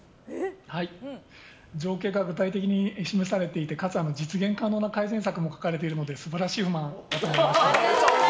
条件が具体的に示されていてかつ、実現可能な改善策も書かれているので素晴らしい不満だと思いました。